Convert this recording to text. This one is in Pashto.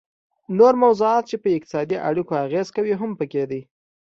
نور موضوعات چې په اقتصادي اړیکو اغیزه کوي هم پکې دي